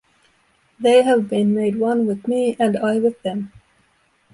They have been made one with me and I with them.